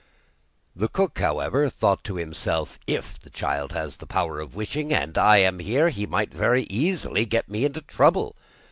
The cook, however, thought to himself: 'If the child has the power of wishing, and I am here, he might very easily get me into trouble.